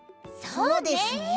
そうですね。